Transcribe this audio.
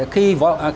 khi võ đăng tín